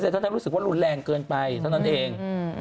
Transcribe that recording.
แต่เท่านั้นรู้สึกว่ารุนแรงเกินไปเท่านั้นเอง